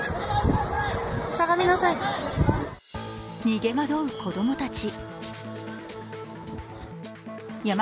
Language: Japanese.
逃げまどう子供たち。